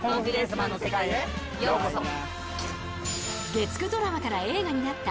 ［月９ドラマから映画になった］